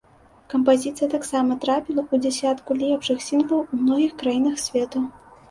Кампазіцыя таксама трапіла ў дзясятку лепшых сінглаў у многіх краінах свету.